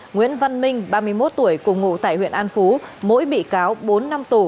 nguyễn văn minh ba mươi một tuổi cùng ngụ tại huyện an phú mỗi bị cáo bốn năm tù